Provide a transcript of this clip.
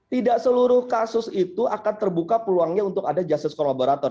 tidak seluruh kasus itu akan terbuka peluangnya untuk ada justice collaborator